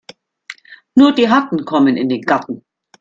Nur die Harten kommen in den Garten.